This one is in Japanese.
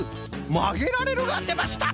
「まげられる」がでました！